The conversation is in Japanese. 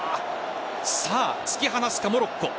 突き放すか、モロッコ。